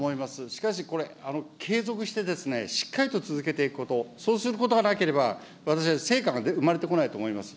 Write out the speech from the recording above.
しかしこれ、継続してですね、しっかりと続けていくこと、そうすることがなければ、私は成果が生まれてこないと思います。